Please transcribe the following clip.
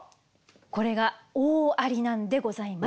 これが大ありなんでございます。